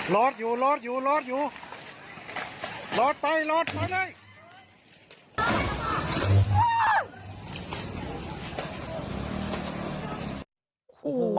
รอดอยู่รอดอยู่รอดอยู่รอดไปรอดมาเลย